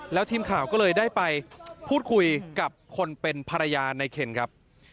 แล้วทีมข่าวก็เลยได้ไปพูดคุยกับคนเป็นภรรยาในเคนครับ